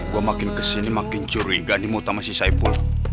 gue makin kesini makin curiga nih mau tamas si saiful